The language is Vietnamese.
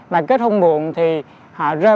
và kết hôn muộn thì họ rơi